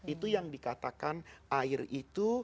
itu yang dikatakan air itu